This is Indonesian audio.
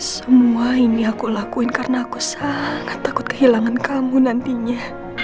semua ini aku lakuin karena aku sangat takut kehilangan kamu nantinya